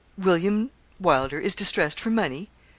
William Wylder is distressed for money!